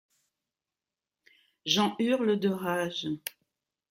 J’en hurle de rage.